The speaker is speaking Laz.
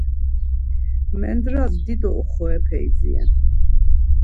Mendras dido oxorepe idziren.